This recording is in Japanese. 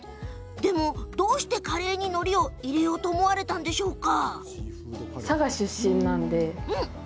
でも、どうしてカレーにのりを入れようと思ったんですか？